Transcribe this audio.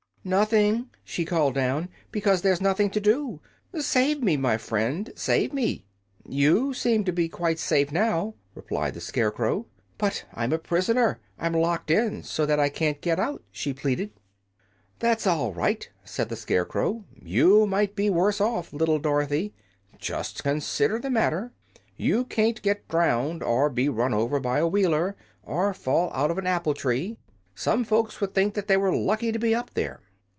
"Nothing," she called down, "because there's nothing to do. Save me, my friend save me!" "You seem to be quite safe now," replied the Scarecrow. "But I'm a prisoner. I'm locked in, so that I can't get out," she pleaded. "That's all right," said the Scarecrow. "You might be worse off, little Dorothy. Just consider the matter. You can't get drowned, or be run over by a Wheeler, or fall out of an apple tree. Some folks would think they were lucky to be up there."